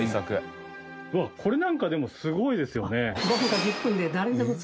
うわっこれなんかでもすごいですよね。